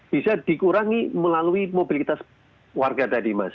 bisa dikurangi melalui mobilitas warga tadi mas